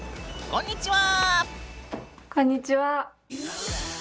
こんにちは！